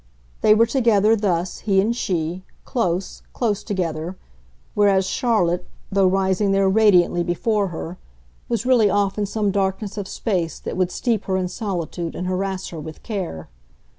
They were together thus, he and she, close, close together whereas Charlotte, though rising there radiantly before her, was really off in some darkness of space that would steep her in solitude and harass her with care.